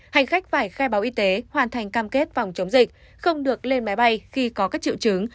hành khách phải khai báo y tế hoàn thành cam kết phòng chống dịch không được lên máy bay khi có các triệu chứng